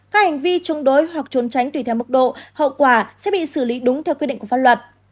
các hành vi chống đối hoặc trốn tránh tùy theo mức độ hậu quả sẽ bị xử lý đúng theo quy định của pháp luật